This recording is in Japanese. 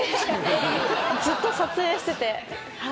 ずっと撮影してて。